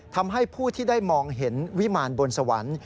ทำให้ผู้ที่ได้มองเห็นวิมารบนสวรรค์